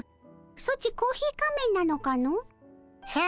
ソチコーヒー仮面なのかの？へ？